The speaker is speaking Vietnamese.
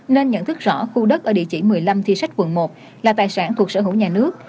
nên nhận thức rõ khu đất ở địa chỉ một mươi năm thi sách quận một là tài sản thuộc sở hữu nhà nước